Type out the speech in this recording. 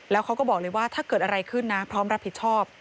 แล้วเขาก็บอกเลยว่าถ้าเกิดอะไรขึ้นนะพร้อมรับผิดชอบ